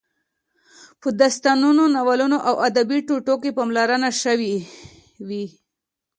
په داستانونو، ناولونو او ادبي ټوټو کې پاملرنه شوې.